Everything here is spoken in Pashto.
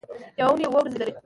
یوه اونۍ اووه ورځې لري